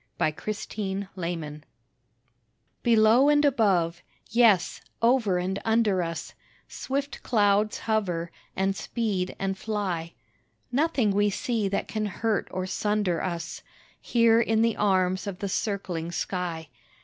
ON THE MOUNTAIN Below and above, yes, over and under us, Swift clouds hover, and speed and fly; Nothing we see that can hurt or sunder us Here in the arms of the circling sky.